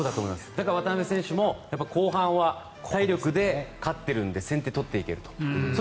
だから渡邊選手も後半は体力で勝ってるので先手を取っていけると。